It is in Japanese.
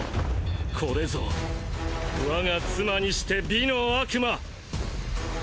これぞ我が妻にして美の悪魔。